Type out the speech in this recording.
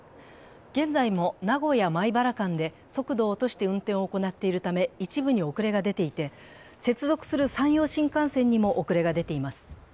現在も名古屋−米原間で速度を落として運転を行っているため一部に遅れが出ていて、接続する山陽新幹線にも遅れが出ています。